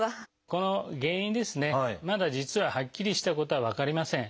この原因ですねまだ実ははっきりしたことは分かりません。